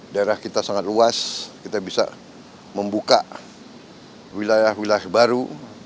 daerah kita sangat luas kita bisa membuka wilayah wilayah baru